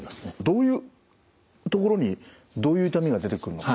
どういうところにどういう痛みが出てくるのか？